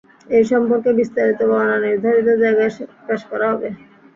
এ সম্পর্কে বিস্তারিত বর্ণনা নির্ধারিত জায়গায় পেশ করা হবে।